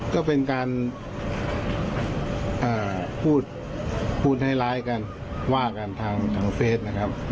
ก็เป็นการพูดพูดร้ายกันว่ากันทางเฟสนะครับ